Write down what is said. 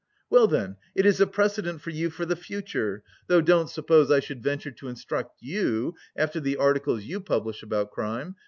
"Well, then it is a precedent for you for the future though don't suppose I should venture to instruct you after the articles you publish about crime!